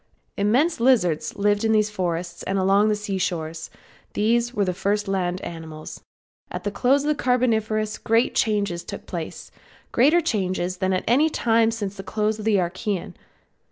Immense lizards lived in these forests and along the sea shores; these were the first land animals. At the close of the Carboniferous great changes took place; greater changes than at any time since the close of the Archaean.